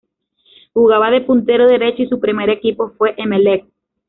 Jugaba de puntero derecho y su primer equipo fue Emelec.